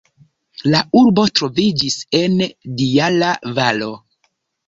La urbo troviĝis en Dijala-valo.